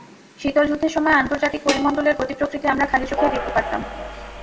শীতল যুদ্ধের সময় আন্তর্জাতিক পরিমণ্ডলের গতি–প্রকৃতি আমরা খালি চোখেই দেখতে পারতাম।